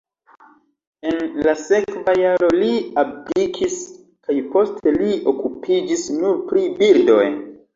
En la sekva jaro li abdikis kaj poste li okupiĝis nur pri birdoj.